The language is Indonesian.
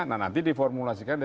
nah nanti diformulasikan